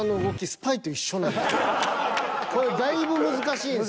これだいぶ難しいんすよ。